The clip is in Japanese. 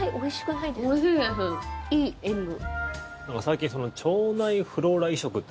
いい塩分。